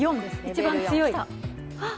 一番強い。